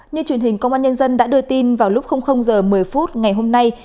như truyền hình công an nhân dân đã đưa tin vào lúc h một mươi phút ngày hôm nay